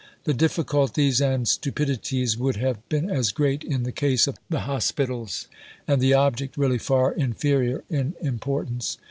The difficulties and stupidities would have been as great in the case of the hospitals, and the object really far inferior in importance.